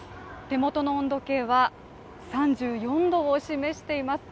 手元の温度計は３４度を示しています。